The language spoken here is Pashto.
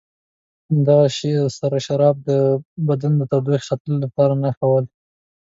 دغه سره شراب د بدن د تودوخې ساتلو لپاره ښه ول.